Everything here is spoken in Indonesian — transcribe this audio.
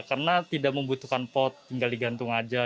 karena tidak membutuhkan pot tinggal digantung aja